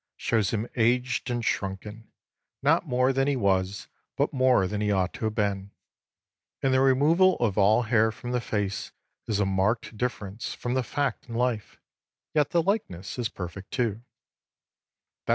shows him aged and shrunken, not more than he was but more than he ought to have been; and the removal of all hair from the face is a marked difference from the fact in life; yet the likeness is perfect too.